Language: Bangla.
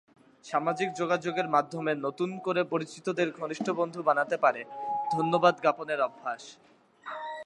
সামাজিক যোগাযোগের মাধ্যমে নতুন করে পরিচিতদের ঘনিষ্ঠ বন্ধু বানাতে পারে ধন্যবাদ জ্ঞাপনের অভ্যাস।